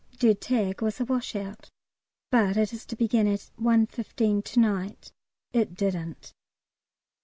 Der Tag was a wash out, but it is to begin at 1.15 to night. (It didn't!)